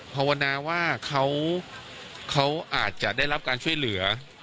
ภาวนาว่าเขาอาจจะได้รับการช่วยเหลือ